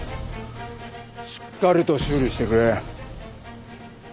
しっかりと修理してくれ。